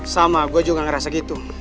sama gue juga ngerasa gitu